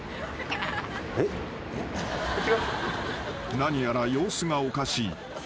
［何やら様子がおかしい］